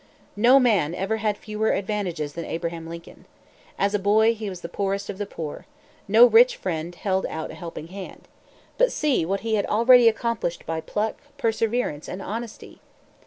No man ever had fewer advantages than Abraham Lincoln. As a boy, he was the poorest of the poor. No rich friend held out a helping hand. But see what he had already accomplished by pluck, perseverance, and honesty!